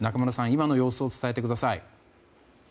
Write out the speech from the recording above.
今の様子を伝えてください。